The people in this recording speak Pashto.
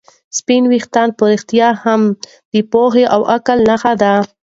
سپین ویښتان په رښتیا هم د پوهې او عقل نښه ده.